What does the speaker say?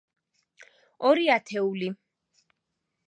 ორი ათეული.